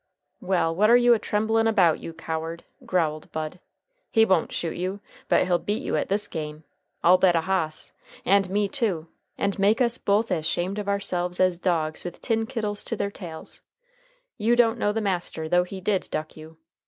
"Well, what are you a tremblin' about, you coward?" growled Bud. "He won't shoot you; but he'll beat you at this game, I'll bet a hoss, and me, too, and make us both as 'shamed of ourselves as dogs with tin kittles to their tails. You don't know the master, though he did duck you.